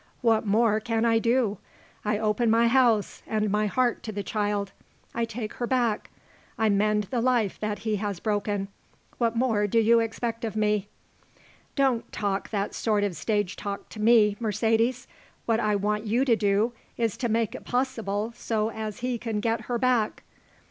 "What more can I do? I open my house and my heart to the child. I take her back. I mend the life that he has broken. What more do you expect of me?" "Don't talk that sort of stage talk to me, Mercedes. What I want you to do is to make it possible so as he can get her back."